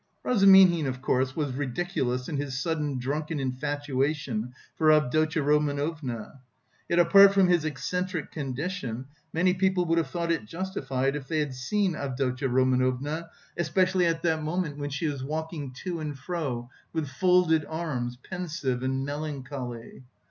Razumihin, of course, was ridiculous in his sudden drunken infatuation for Avdotya Romanovna. Yet apart from his eccentric condition, many people would have thought it justified if they had seen Avdotya Romanovna, especially at that moment when she was walking to and fro with folded arms, pensive and melancholy.